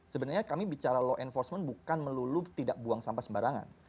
sebenarnya kami bicara law enforcement bukan melulu tidak buang sampah sembarangan